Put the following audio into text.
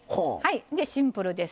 でシンプルです。